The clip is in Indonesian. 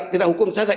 tidak hukum saja